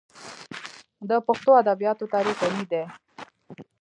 د پښتو ادبیاتو تاریخ غني دی.